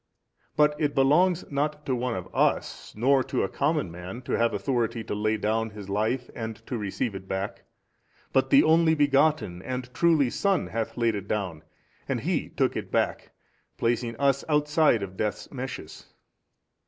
But it belongs not to one of us nor to a common man to have authority to lay down his life and to receive it back, but the Only Begotten and truly Son hath laid it down, and He took it back, placing us outside of death's meshes.